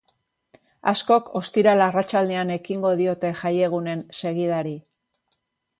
Askok ostiral arratsaldean ekingo diote jaiegunen segidari.